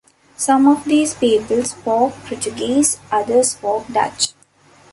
Some of these people spoke Portuguese, others spoke Dutch.